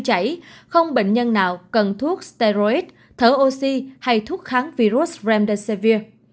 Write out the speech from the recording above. chảy không bệnh nhân nào cần thuốc seroid thở oxy hay thuốc kháng virus remdesivir